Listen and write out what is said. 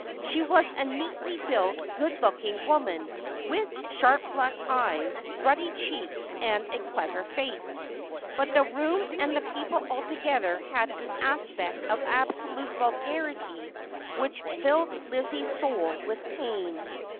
She was a neatly built, good looking woman, with sharp black eyes, ruddy cheeks, and a clever face ; but the room and the people altogether had an aspect of absolute vulgarity which filled Lizzie's soul with pain.